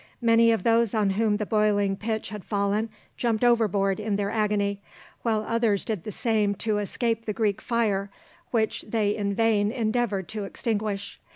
Many of those on whom the boiling pitch had fallen jumped overboard in their agony, while others did the same to escape the Greek fire, which they in vain endeavoured to extinguish.